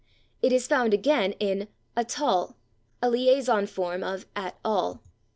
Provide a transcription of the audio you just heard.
It is found again in /a tall/, a liaison form of /at all